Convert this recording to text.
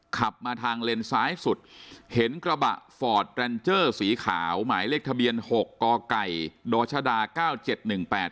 ขับมาทางเลนซ้ายสุดเห็นกระบะฟอร์ดแรนเจอร์สีขาวหมายเลขทะเบียนหกกดชดาเก้าเจ็ดหนึ่งแปด